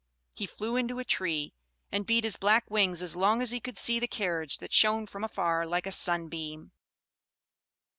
He flew into a tree, and beat his black wings as long as he could see the carriage, that shone from afar like a sunbeam.